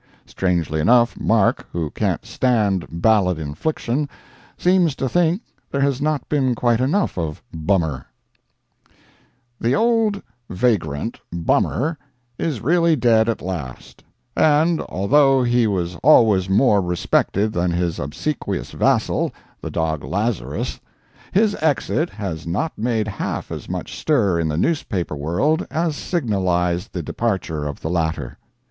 Strangely enough, Mark, who can't stand "ballad infliction" seems to think there has not been quite enough of "Bummer": "The old vagrant 'Bummer' is really dead at last; and although he was always more respected than his obsequious vassal, the dog 'Lazarus,' his exit has not made half as much stir in the newspaper world as signalised the departure of the latter.